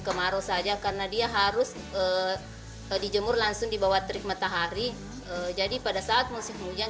kemarau saja karena dia harus dijemur langsung dibawa terik matahari jadi pada saat musim hujan